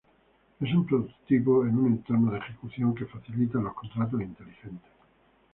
Es un prototipo de un entorno de ejecución que facilita los contratos inteligentes.